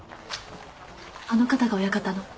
あの方が親方の？